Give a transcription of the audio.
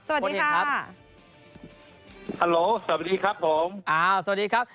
สวัสดีครับฮัลโหลสวัสดีครับผมอ่าสวัสดีครับ